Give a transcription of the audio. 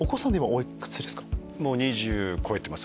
もう２０超えてます